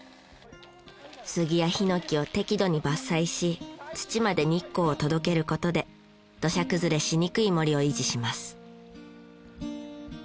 杉や檜を適度に伐採し土まで日光を届ける事で土砂崩れしにくい森を維持します。